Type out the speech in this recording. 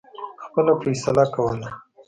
خپله فیصله کوله.